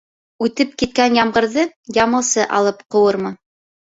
Үтеп киткән ямғырҙы ямылсы алып ҡыуырмы